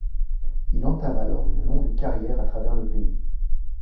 Il entame alors une longue carrière à travers le pays.